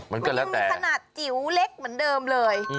มันก็เลยมีขนาดจิ๋วเล็กเหมือนเดิมเลย